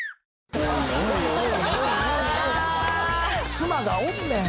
妻がおんねん。